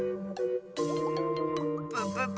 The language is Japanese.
プププ。